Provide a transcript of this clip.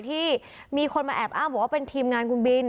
ที่มีคนมาแอบอ้างบอกว่าเป็นทีมงานคุณบิน